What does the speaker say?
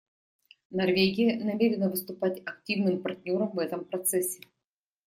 Норвегия намерена выступать активным партнером в этом процессе.